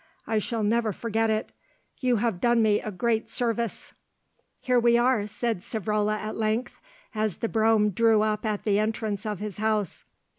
I shall never forget it; you have done me a great service." "Here we are," said Savrola at length, as the brougham drew up at the entrance of his house.